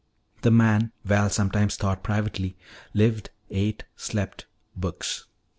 The man, Val sometimes thought privately, lived, ate, slept books.